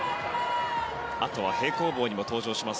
あとは平行棒にも登場します。